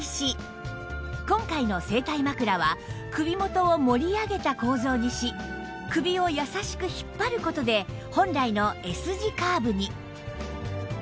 今回の整体枕は首元を盛り上げた構造にし首を優しく引っ張る事で本来の Ｓ 字カーブに